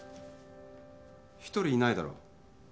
一人いないだろ。